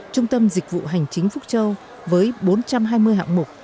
trung tâm dịch vụ hành chính phúc châu với bốn trăm hai mươi hạng mục